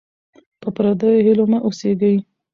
په پردیو هیلو مه اوسېږئ.